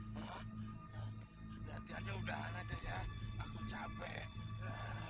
perhatiannya udahan aja ya aku capek